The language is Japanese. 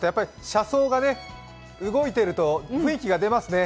車窓が動いていると雰囲気、出ますね。